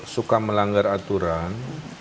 suka melanggar aturan